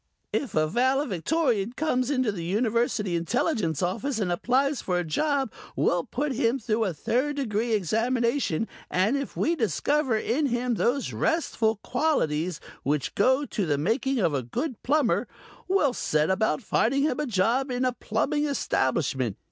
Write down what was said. If a Valedictorian comes into the University Intelligence Office and applies for a job we'll put him through a third degree examination and if we discover in him those restful qualities which go to the making of a good plumber, we'll set about finding him a job in a plumbing establishment.